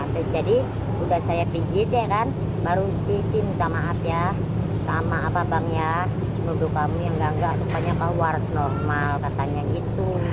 nah jadi udah saya pijit ya kan baru cici minta maaf ya minta maaf apa bang ya nunggu kamu yang gak gak tupanya kau waras normal katanya gitu